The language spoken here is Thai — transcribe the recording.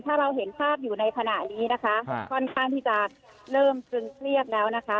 ถ้าเราเห็นภาพอยู่ในขณะนี้นะคะค่อนข้างที่จะเริ่มตรึงเครียดแล้วนะคะ